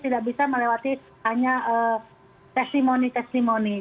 tidak bisa melewati hanya testimoni testimoni